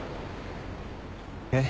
えっ？